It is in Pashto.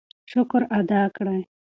شکر ادا کړئ.